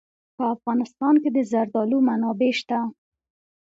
په افغانستان کې د زردالو منابع شته.